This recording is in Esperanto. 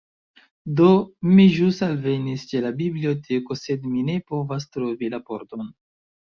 Do, mi ĵus alvenis ĉe la biblioteko sed mi ne povas trovi la pordon